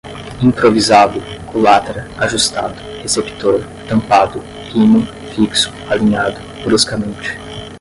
improvisado, culatra, ajustado, receptor, tampado, pino, fixo, alinhado, bruscamente